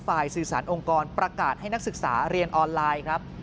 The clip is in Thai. สื่อสารองค์กรประกาศให้นักศึกษาเรียนออนไลน์ครับ